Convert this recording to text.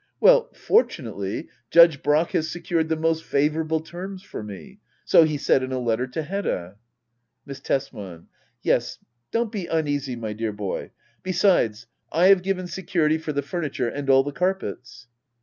Well, fortunately. Judge Brack has secured the most favourable terms for me, — so he said in a letter to Hedda. Miss Tesman. Yes, don't be uneasy, my dear boy. — Besides, I have given security for the furniture and all the carpets.